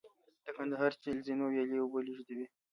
د کندهار چل زینو ویالې اوبه لېږدوي